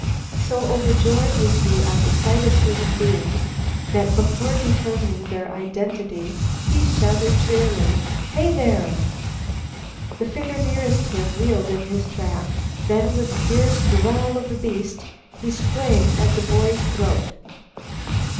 So overjoyed was he at sight of human beings that, before determining their identity, he shouted cheerily: "Hey, there!" The figure nearest him wheeled in his track. Then, with the fierce growl of a beast, he sprang at the boy's throat.